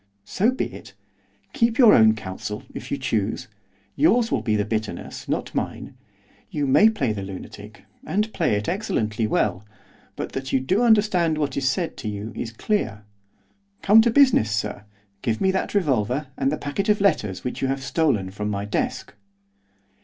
'So be it. Keep your own counsel, if you choose. Yours will be the bitterness, not mine. You may play the lunatic, and play it excellently well, but that you do understand what is said to you is clear. Come to business, sir. Give me that revolver, and the packet of letters which you have stolen from my desk.